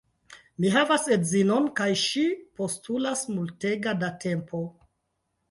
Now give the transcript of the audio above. Mi havas edzinon kaj ŝi postulas multega da tempo